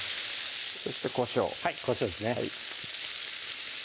そしてこしょうこしょうですね